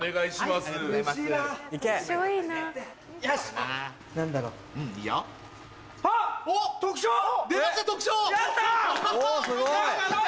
すごい！